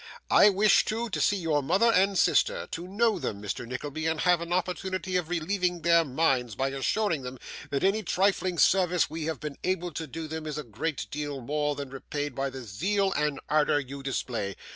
I wish, too, to see your mother and sister: to know them, Mr. Nickleby, and have an opportunity of relieving their minds by assuring them that any trifling service we have been able to do them is a great deal more than repaid by the zeal and ardour you display.